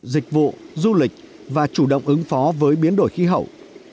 dịch vụ du lịch và chủ động ứng phó với biến đổi khí hậu